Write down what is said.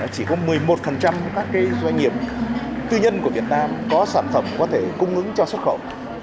chỉ có một mươi một các doanh nghiệp tư nhân của việt nam có sản phẩm có thể cung ứng cho xuất khẩu